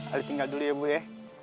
harus tinggal dulu ya bu ya